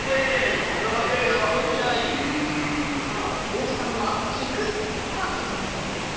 大木さんは「きく」から始まる言葉です。